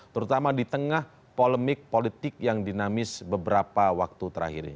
terutama di tengah polemik politik yang dinamis beberapa waktu terakhir ini